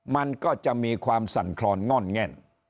มันก็จะมีความสั่นคลอนง่อนแง่น